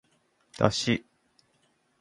だし